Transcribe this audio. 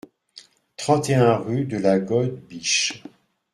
trente et un rue de la Gode Biche